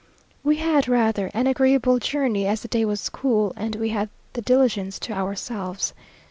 We had rather an agreeable journey, as the day was cool, and we had the diligence to ourselves.